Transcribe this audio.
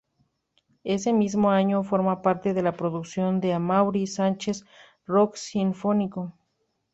Ese mismo año forma parte de la producción de Amaury Sánchez: Rock Sinfónico.